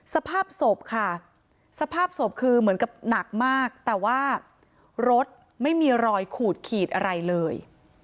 สภาพศพค่ะสภาพศพคือเหมือนกับหนักมากแต่ว่ารถไม่มีรอยขูดขีดอะไรเลย